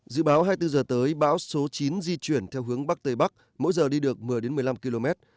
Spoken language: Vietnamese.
dự báo hai mươi bốn h tới bão số chín di chuyển theo hướng bắc tây bắc mỗi giờ đi được một mươi một mươi năm km